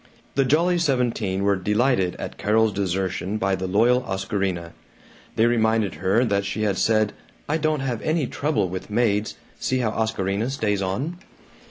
The Jolly Seventeen were delighted at Carol's desertion by the loyal Oscarina. They reminded her that she had said, "I don't have any trouble with maids; see how Oscarina stays on."